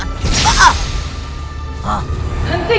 hentikan tim budaya umat lampir